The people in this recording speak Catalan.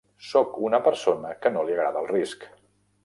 Soc una persona que no li agrada el risc.